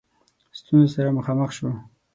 ستونزو سره مخامخ شو.